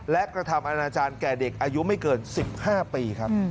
และกระทำอาณาจารย์แก่เด็กอายุไม่เกิน๑๕ปีครับ